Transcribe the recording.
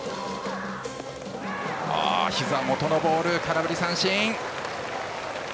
ひざ元のボール、空振り三振。